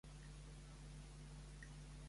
Tu diràs al dormitori?